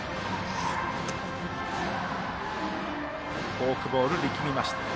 フォークボール、力みました。